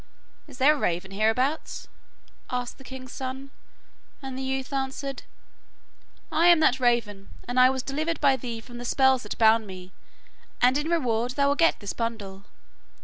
'Is there a raven hereabouts?' asked the king's son, and the youth answered: 'I am that raven, and I was delivered by thee from the spells that bound me, and in reward thou wilt get this bundle.